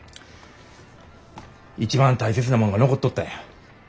一番大切なもんが残っとったんや。